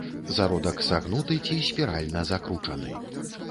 Зародак сагнуты ці спіральна закручаны.